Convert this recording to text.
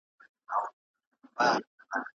انا غوښتل چې په ډېر سکون سره خپل عبادت وکړي.